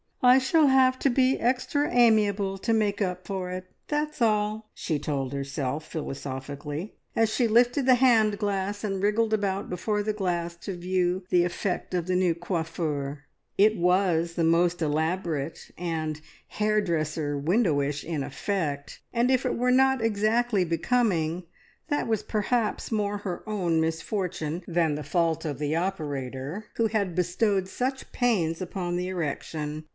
"I shall have to be extra amiable to make up for it, that's all!" she told herself philosophically, as she lifted the hand glass, and wriggled about before the glass to view the effect of the new coiffure. It was most elaborate and hairdresser windowish in effect, and if it were not exactly becoming, that was perhaps more her own misfortune than the fault of the operator, who had bestowed such pains upon the erection.